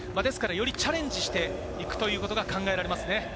よりチャレンジしていくということが考えられます。